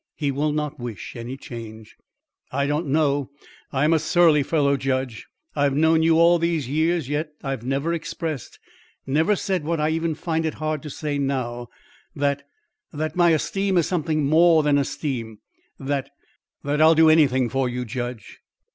"He will not wish any change." "I don't know. I'm a surly fellow, judge. I have known you all these years, yet I've never expressed never said what I even find it hard to say now, that that my esteem is something more than esteem; that that I'll do anything for you, judge."